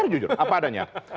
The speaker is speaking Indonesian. sejujur apa adanya